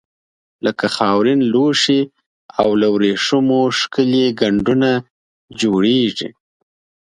لکه خاورین لوښي او له وریښمو ښکلي ګنډونه جوړیږي.